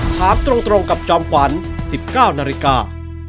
ถามตรงกับจอมขวัญ๑๙นาฬิกา